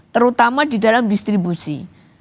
terutama di dalam distribusi